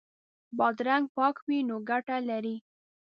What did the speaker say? بادرنګ پاک وي نو ګټه لري.